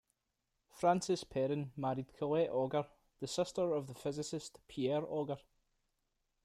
Francis Perrin married Colette Auger, the sister of the physicist Pierre Auger.